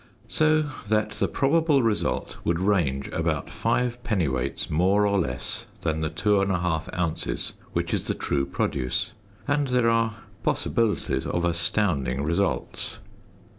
So that the probable result would range about 5 dwts. more or less than the 2 1/2 ozs., which is the true produce, and there are possibilities of astounding results.